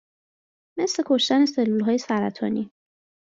مثل کشتن سلولهای سرطانی